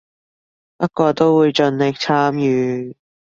不過都會盡力參與